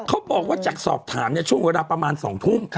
เขาบอกว่าจากสอบถามเนี่ยช่วงเวลาประมาณ๒ทุ่ม